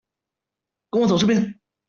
跟我走這邊